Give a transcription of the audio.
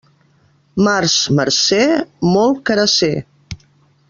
Març marcer, molt carasser.